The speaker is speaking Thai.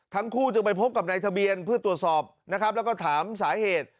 ทั้งคู่จึงไปพบกับนายทะเบียนเพื่อตรวจสอบนะครับแล้วก็ถามสาเหตุ